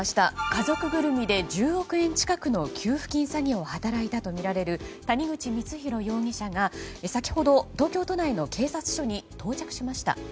家族ぐるみで１０億円近くの給付金詐欺を働いたとみられる谷口光弘容疑者が先ほど東京都内の警察署に到着しました。